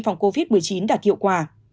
phòng covid một mươi chín đạt hiệu quả